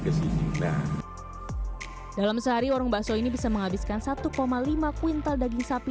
kesin veggie nah dalam sehari orong bakso ini bisa menghabiskan satu lima kuyental daging sapi